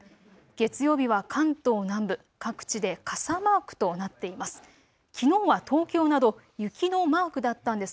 月曜日は関東南部各地で傘マークとなっています。